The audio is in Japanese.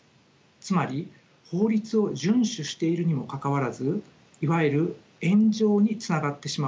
つまり法律を順守しているにもかかわらずいわゆる炎上につながってしまうようなケースです。